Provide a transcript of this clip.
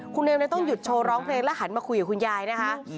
คุณเนมเลยต้องหยุดโชว์ร้องเพลงและหันมาคุยกับคุณยายนะคะ